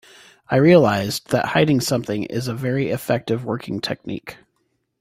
I realized that hiding something is a very effective working technique.